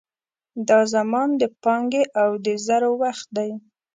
دا زمان د پانګې او د زرو وخت دی.